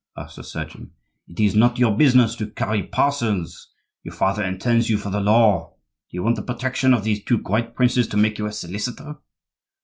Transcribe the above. asked the surgeon. "It is not your business to carry parcels; your father intends you for the law. Do you want the protection of these two great princes to make you a solicitor?"